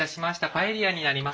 パエリアになります。